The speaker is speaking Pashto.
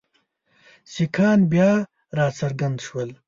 سیکهان بیا را څرګند شول.